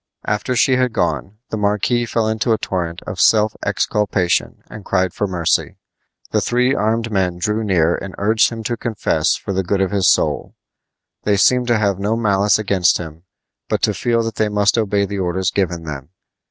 After she had gone the marquis fell into a torrent of self exculpation and cried for mercy. The three armed men drew near and urged him to confess for the good of his soul. They seemed to have no malice against him, but to feel that they must obey the orders given them.